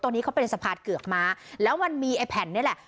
นี้เขาเป็นสะพานเกือกม้าแล้วมันมีไอ้แผ่นนี่แหละ